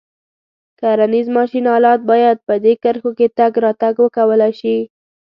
کرنیز ماشین آلات باید په دې کرښو کې تګ راتګ وکولای شي.